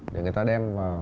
để người ta đem vào